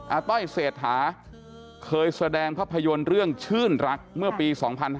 ต้อยเศรษฐาเคยแสดงภาพยนตร์เรื่องชื่นรักเมื่อปี๒๕๕๙